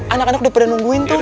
anak anak udah pernah nungguin tuh